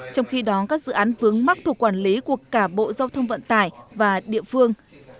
trong khi đó các dự án vướng mắc thuộc quản lý của cả bộ giao thông vận tải và địa phương